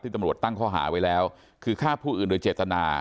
ตำรวจตั้งข้อหาไว้แล้วคือฆ่าผู้อื่นโดยเจตนา